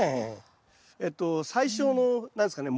えっと最初の何ですかね